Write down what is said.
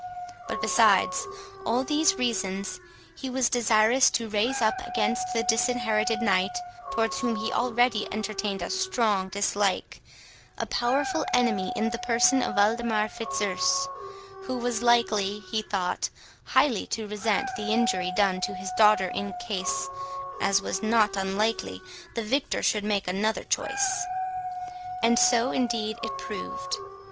But besides all these reasons, he was desirous to raise up against the Disinherited Knight (towards whom he already entertained a strong dislike) a powerful enemy in the person of Waldemar Fitzurse, who was likely, he thought, highly to resent the injury done to his daughter, in case, as was not unlikely, the victor should make another choice. And so indeed it proved.